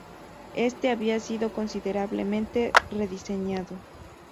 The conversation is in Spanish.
Éste había sido considerablemente rediseñado.